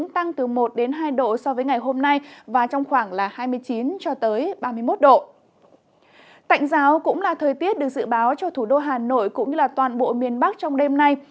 tạnh giáo cũng là thời tiết được dự báo cho thủ đô hà nội cũng như toàn bộ miền bắc trong đêm nay